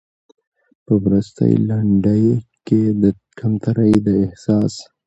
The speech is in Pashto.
په وروستۍ لنډۍ کې د کمترۍ د احساس